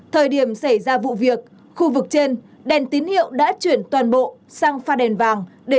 thời điểm xảy ra vụ việc khu vực trên đèn tín hiệu đã chuyển toàn bộ sang pha đèn vàng để